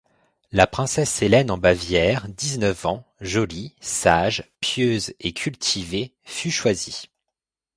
La princesse Hélène en Bavière, dix-neuf ans, jolie, sage, pieuse et cultivée fut choisie.